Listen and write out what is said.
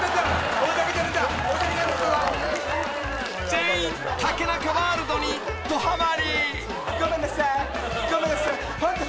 ［全員竹中ワールドにどはまり］